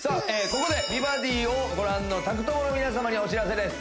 ここで「美バディ」をご覧の宅トモの皆様にお知らせです